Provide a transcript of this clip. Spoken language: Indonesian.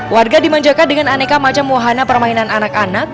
warga dimanjakan dengan aneka macam wahana permainan anak anak